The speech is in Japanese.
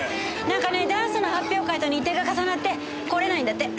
なんかねダンスの発表会と日程が重なって来れないんだって。